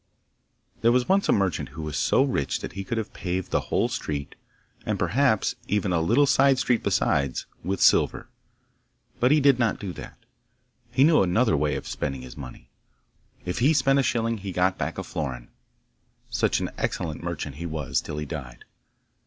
There was once a merchant who was so rich that he could have paved the whole street, and perhaps even a little side street besides, with silver. But he did not do that; he knew another way of spending his money. If he spent a shilling he got back a florin such an excellent merchant he was till he died.